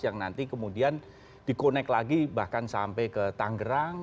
yang nanti kemudian di connect lagi bahkan sampai ke tanggerang